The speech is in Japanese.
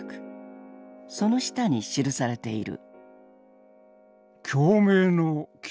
その下に記されている。